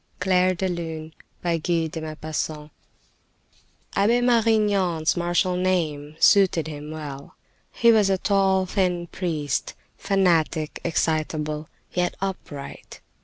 CLAIR DE LUNE Abbe Marignan's martial name suited him well. He was a tall, thin priest, fanatic, excitable, yet upright.